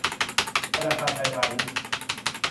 ธนาคารไทยพาณิชย์